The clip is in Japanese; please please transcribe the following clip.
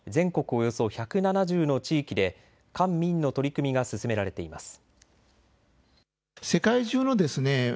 およそ１７０の地域で官民の取り組みが進められています。